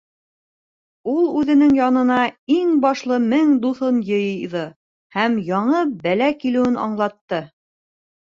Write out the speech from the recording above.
Ул үҙенең янына иң башлы мең дуҫын йыйҙы һәм яңы бәлә килеүен аңлатты.